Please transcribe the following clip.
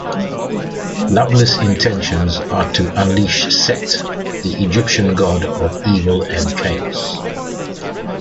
Loveless intentions are to unleash Set, the Egyptian God of Evil and Chaos.